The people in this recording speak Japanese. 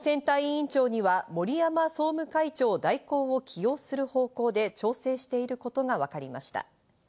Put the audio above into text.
後任の選対委員長には森山総務会長代行を起用する方向で調整していることがわかりました。